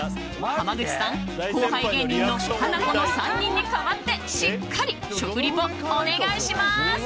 濱口さん、後輩芸人のハナコの３人に代わってしっかり食リポをお願いします！